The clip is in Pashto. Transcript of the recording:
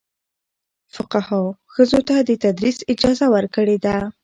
فقهاء ښځو ته د تدریس اجازه ورکړې ده.